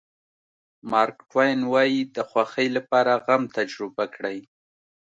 مارک ټواین وایي د خوښۍ لپاره غم تجربه کړئ.